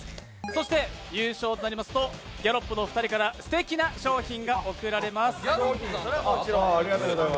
そして優勝となりますとギャロップのお二人からすてきな商品が贈られます。